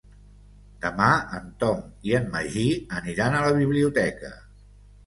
Demà en Tom i en Magí aniran a la biblioteca.